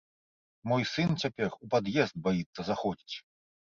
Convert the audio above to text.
Мой сын цяпер у пад'езд баіцца заходзіць!